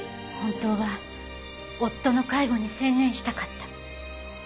本当は夫の介護に専念したかった。